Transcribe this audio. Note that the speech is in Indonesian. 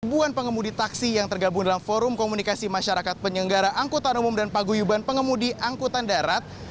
ribuan pengemudi taksi yang tergabung dalam forum komunikasi masyarakat penyelenggara angkutan umum dan paguyuban pengemudi angkutan darat